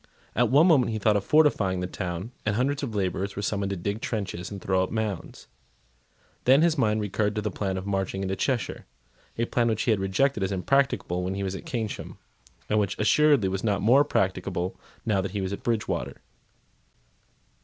At one moment he thought of fortifying the town; and hundreds of labourers were summoned to dig trenches and throw up mounds. Then his mind recurred to the plan of marching into Cheshire, a plan which he had rejected as impracticable when he was at Keynsham, and which assuredly was not more practicable now that he was at Bridgewater.